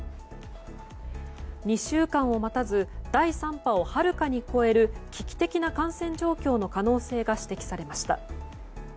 ２週間を待たず第３波をはるかに超える危機的な感染状況の可能性が指摘されました。